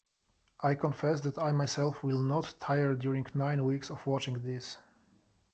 I confess that I myself will not tire during nine weeks of watching this.